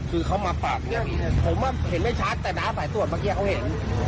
คือเขามาปากเรื่องนี้ผมว่าเห็นไม่ชัดแต่น้าสายตรวจเมื่อกี้เขาเห็น